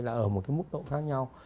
là ở một cái mức độ khác nhau